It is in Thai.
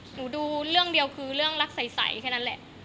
ดูเรื่องเดียวคือเรื่องรักใสแค่นั้นแหละ